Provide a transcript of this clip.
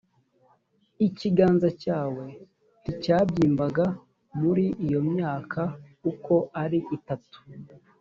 ikiganza cyawe nticyabyimbaga muri iyo myaka uko ari itatu